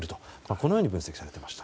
このように分析されていました。